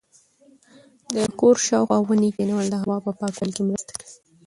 د کور شاوخوا ونې کښېنول د هوا په پاکوالي کې مرسته کوي.